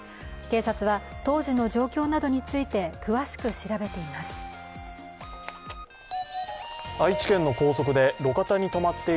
警察は当時の状況などについて詳しく調べています。